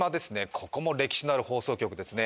ここも歴史のある放送局ですね